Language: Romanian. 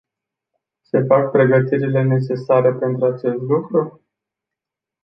Se fac pregătirile necesare pentru acest lucru?